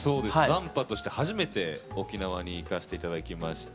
斬波として初めて沖縄に行かして頂きまして。